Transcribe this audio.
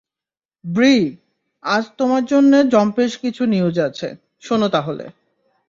ব্রি, আজ তোমার জন্য জম্পেশ কিছু নিউজ আছে, শোনো তাহলে!